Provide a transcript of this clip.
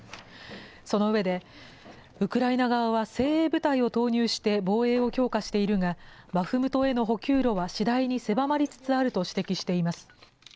その上で、ウクライナ側は精鋭部隊を投入して防衛を強化しているが、バフムトへの補給路は次第に狭まりつつあると指摘しています。